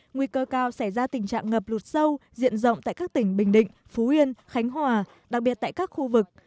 nguy cơ cao xảy ra tình trạng ngập lụt sâu diện rộng tại các tỉnh bình định phú yên khánh hòa đặc biệt tại các khu vực